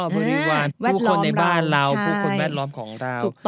บริวารผู้คนในบ้านเราผู้คนแวดล้อมของเรา